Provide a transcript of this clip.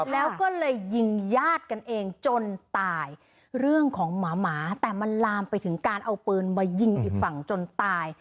แล้วก็เลยยิงญาติกันเองจนตายเรื่องของหมาหมาแต่มันลามไปถึงการเอาปืนมายิงอีกฝั่งจนตาย